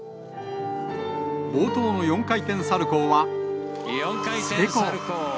冒頭の４回転サルコーは成功。